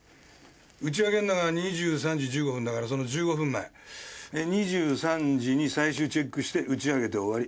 打ち上げるのが２３時１５分だからその１５分前２３時に最終チェックして打ち上げて終わり。